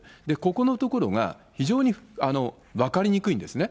ここのところが非常に分かりにくいんですね。